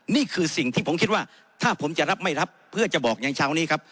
นี่คือสิ่งที่ผมคิดว่าถ้าผมจะรับไม่รับเพื่อจะบอกอย่างเช้านี้ครับ